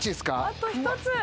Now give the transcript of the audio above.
あと一つ。